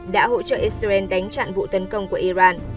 đã hỗ trợ israel đánh chặn vụ tấn công của iran